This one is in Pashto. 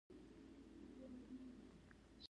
د ستوني د وچوالي لپاره د څه شي اوبه وڅښم؟